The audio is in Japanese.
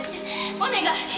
お願い。